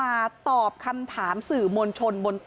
ลาออกจากหัวหน้าพรรคเพื่อไทยอย่างเดียวเนี่ย